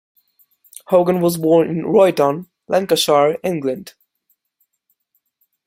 Hogan was born in Royton, Lancashire, England.